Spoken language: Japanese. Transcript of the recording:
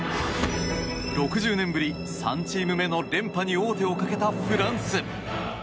６０年ぶり３チーム目の連覇に王手をかけたフランス。